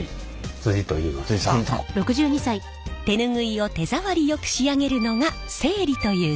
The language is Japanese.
手ぬぐいを手触りよく仕上げるのが整理という仕事。